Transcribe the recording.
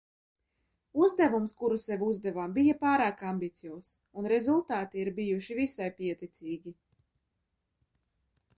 Uzdevums, kuru sev uzdevām, bija pārāk ambiciozs, un rezultāti ir bijuši visai pieticīgi.